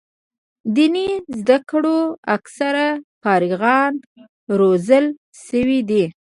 دیني زده کړو اکثره فارغان روزل شوي دي.